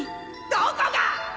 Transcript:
どこが！